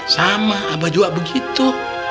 sama abah juga begitu